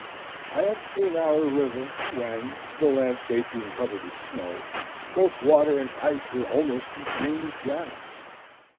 I have seen our river, when, the landscape being covered with snow, both water and ice were almost as green as grass.